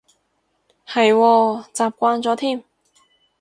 係喎，習慣咗添